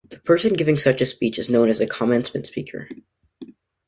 The person giving such a speech is known as a commencement speaker.